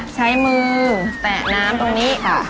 ใช้มือแตะน้ำตรงนี้